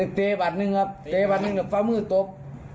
เตะบัตรหนึ่งครับเตะบัตรหนึ่งฟ้ามืดตบ